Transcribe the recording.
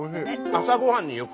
朝ごはんによく。